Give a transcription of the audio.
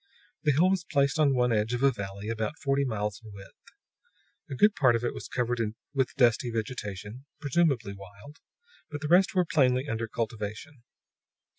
The hill was placed on one edge of a valley about forty miles in width. A good part of it was covered with dusty vegetation, presumably wild; but the rest was plainly under cultivation.